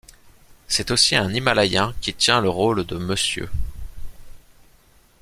C'est aussi un himalayen qui tient le rôle de Mr.